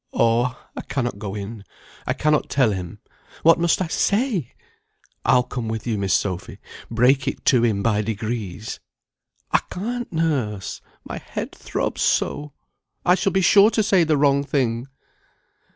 "Oh! I cannot go in. I cannot tell him. What must I say?" "I'll come with you, Miss Sophy. Break it to him by degrees." "I can't, nurse. My head throbs so, I shall be sure to say the wrong thing."